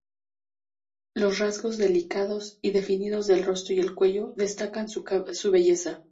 Los rasgos delicados y definidos del rostro y el cuello destacan su belleza.